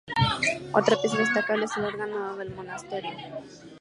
Otra pieza destacable es el órgano del monasterio.